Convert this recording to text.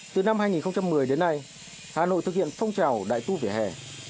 từ năm hai nghìn một mươi đến nay hà nội thực hiện phong trào đại tu vỉa hè